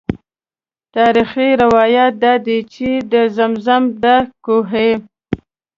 تاریخي روایات دادي چې د زمزم دا کوهی.